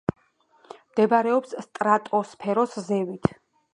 მდებარეობს სტრატოსფეროს ზევით.